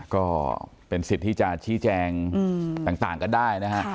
ก็เป็นสิทธิ์ที่จะชี้แจงอืมต่างต่างก็ได้นะฮะค่ะ